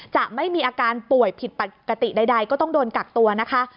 จะไม่มีอาการป่วยผิดปกติใดก็ต้องโดนกักตัวนะคะ